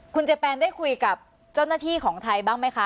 คุณเจแปนได้คุยกับเจ้าหน้าที่ของไทยบ้างไหมคะ